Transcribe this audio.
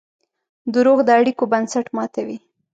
دروغ د اړیکو بنسټ ماتوي.